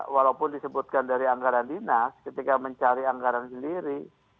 walaupun disebutkan dari anggaran dinas ketika mencari anggaran sendiri